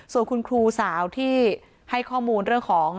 ส่วนคุณครูสาวที่ให้ข้อมูลเรื่องของ